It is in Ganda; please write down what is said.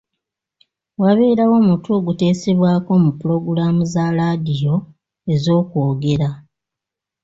Wabeerawo omutwe oguteesebwako mu pulogulaamu za laadiyo ez'okwogera.